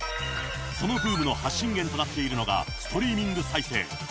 そのブームの発信源となっているのがストリーミング再生。